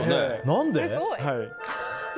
何で？